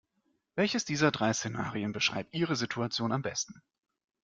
Welches dieser drei Szenarien beschreibt Ihre Situation am besten?